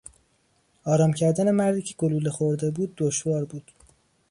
آرام کردن مردی که گلوله خورده بود دشوار بود.